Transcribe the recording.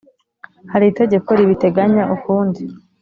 Hari itegeko ribiteganya ukundi .